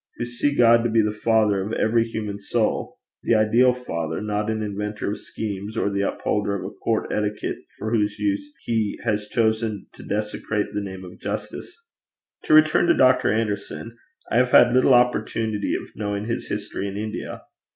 who see God to be the father of every human soul the ideal Father, not an inventor of schemes, or the upholder of a court etiquette for whose use he has chosen to desecrate the name of justice! To return to Dr. Anderson. I have had little opportunity of knowing his history in India.